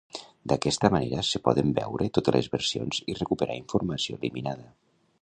D'aquesta manera se poden veure totes les versions i recuperar informació eliminada